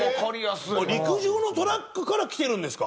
陸上のトラックからきてるんですか！